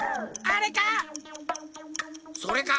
あれか？